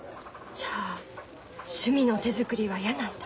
じゃあ趣味の手作りは嫌なんだ。